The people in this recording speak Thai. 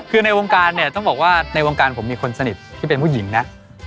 คือในวงการเนี่ยต้องบอกว่าในวงการผมมีคนสนิทที่เป็นผู้หญิงนะ